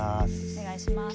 お願いします。